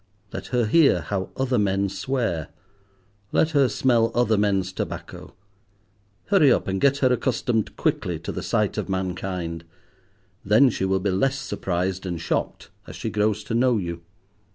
Let her hear how other men swear. Let her smell other men's tobacco. Hurry up, and get her accustomed quickly to the sight of mankind. Then she will be less surprised and shocked as she grows to know you.